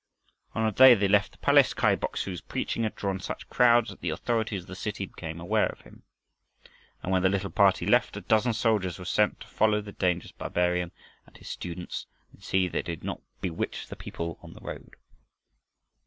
On the day they left the place, Kai Boksu's preaching had drawn such crowds that the authorities of the city became afraid of him. And when the little party left, a dozen soldiers were sent to follow the dangerous barbarian and his students and see that they did not bewitch the people on the road.